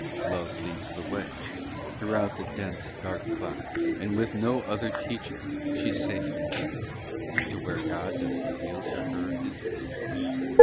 Love leads the way Throughout the dense, dark cloud And with no other teacher She safely journeys To where God doth reveal to her His beauty.